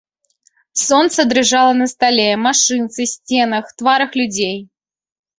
Сонца дрыжала на стале, машынцы, сценах, тварах людзей.